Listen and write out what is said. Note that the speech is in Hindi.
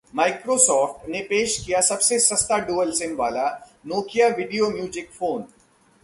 माइक्रोसॉफ्ट ने पेश किया सबसे सस्ता डुअल सिम वाला नोकिया वीडियो-म्यूजिक फोन